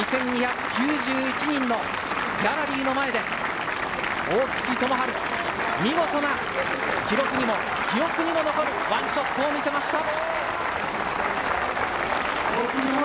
２２９１人のギャラリーの前で、大槻智春、見事な記録にも記憶にも残る１ショットを見せました！